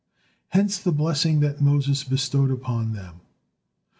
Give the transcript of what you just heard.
Hence the blessing that Moses bestowed upon them.